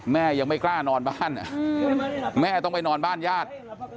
แม่ยังไม่กล้านอนบ้านแม่ต้องไปนอนบ้านญาติ